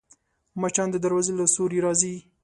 مچان د دروازې له سوري راځي